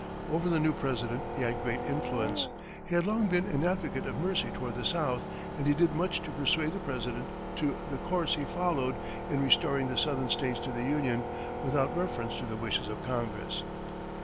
Over the new President he had great influence; he had long been an advocate of mercy toward the South, and he did much to persuade the President to the course he followed in restoring the southern states to the Union, without reference to the wishes of Congress.